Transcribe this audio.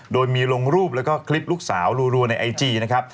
โดยมีลงรูปแล้วก็คลิปลูกสาวรัวในไอจีนะครับ